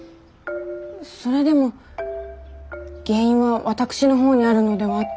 それでも原因は私のほうにあるのではと思います。